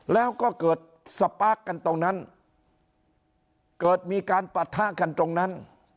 แล้วก็เกิดสปาร์คกันตรงนั้นเกิดมีการปะทะกันตรงนั้น